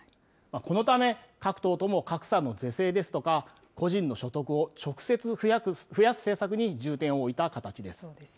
このため、各党とも格差の是正ですとか、個人の所得を直接、増やす政策に重点を置いた形です。